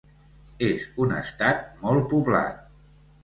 És un estat molt poblat.